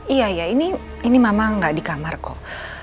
iya iya ini mama gak di kamar kok